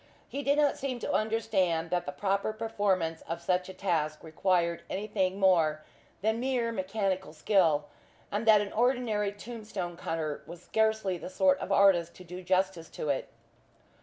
He did not seem to understand that the proper performance of such a task required anything more than mere mechanical skill, and that an ordinary tomb stone cutter was scarcely the sort of artist to do justice to it.